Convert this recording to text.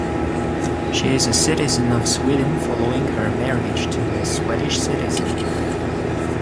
She is a citizen of Sweden following her marriage to a Swedish citizen.